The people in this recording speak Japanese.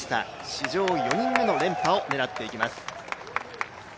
史上４人目の連覇を狙っていきます